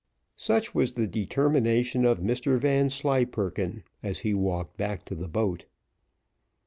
Such was the determination of Mr Vanslyperken, as he walked back to the boat.